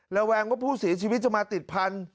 แวงว่าผู้เสียชีวิตจะมาติดพันธุ